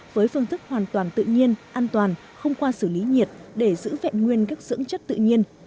với phương thức hoàn toàn tự nhiên an toàn không qua xử lý nhiệt để giữ vẹn nguyên các dưỡng chất tự nhiên